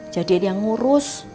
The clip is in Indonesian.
jadi aja ngurus